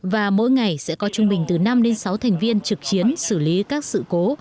và mỗi ngày sẽ có trung bình từ năm đến sáu thành viên trực chiến xử lý các sự cố